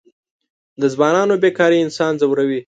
د ځوانانو بېکاري انسان ځوروي.